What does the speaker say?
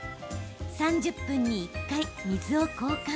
３０分に１回、水を交換。